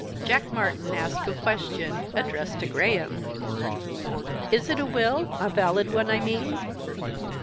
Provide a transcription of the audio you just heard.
Jack Martyn asked a question, addressed to Graham. "Is it a will? a valid one, I mean?"